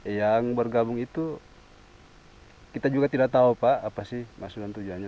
yang bergabung itu kita juga tidak tahu pak apa sih maksud dan tujuannya